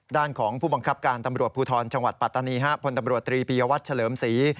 ด้านของผู้บังคับการตำรวจภูทรจังหวัดปัตตานีพลตำรวจตรีปียวัตรเฉลิมศรี